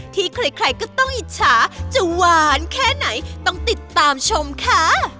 ที่ใครก็ต้องอิจฉาจะหวานแค่ไหนต้องติดตามชมค่ะ